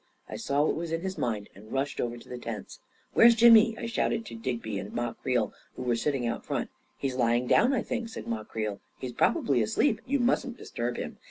I saw what was in his mind, and rushed over to the tents. " Where's Jimmy? " I shouted to Digby and Ma Creel, who were sitting out in front. " He's lying down, I think," said Ma Creel. " He's probably asleep. You mustn't disturb him."